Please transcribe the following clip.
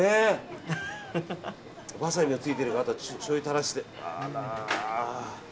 ワサビもついてるからあとはしょうゆ垂らして。